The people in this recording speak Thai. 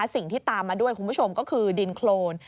สิ่งที่ตามมาด้วยคุณผู้ชมก็คือดินโครน